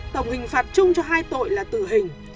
tổng hình phạt chung cho hai tội là tử hình